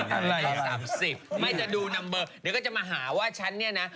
เท่าไหร่๓๐ไม่จะดูนัมเบอร์เดี๋ยวก็จะมาหาว่าฉันเนี่ยนะ